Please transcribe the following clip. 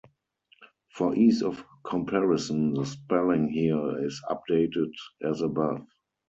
For ease of comparison the spelling here is updated as above.